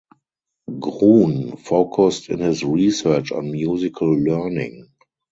Gruhn focused in his research on musical learning.